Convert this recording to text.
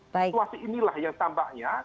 situasi inilah yang tambahnya